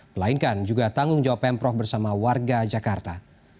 melainkan juga tanggung jawab pemprov bersama warga jakarta